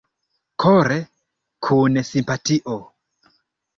Kore, kun simpatio!